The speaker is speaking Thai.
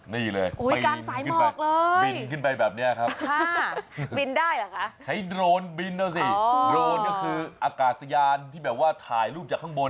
นี่เลยบินขึ้นไปแบบนี้ครับใช้โดรนบินนะสิโดรนก็คืออากาศสยานที่แบบว่าถ่ายรูปจากข้างบน